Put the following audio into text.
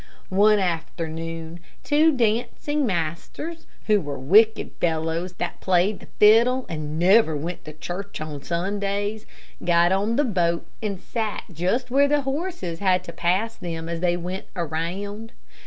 One afternoon, two dancing masters, who were wicked fellows, that played the fiddle, and never went to church on Sundays, got on the boat, and sat just where the horses had to pass them as they went around.